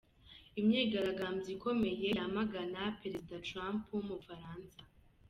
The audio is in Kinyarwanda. Imyigaragambyo ikomeye yamagana Perezida Trump mu Bufuransa.